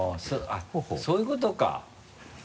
あっそういうこと？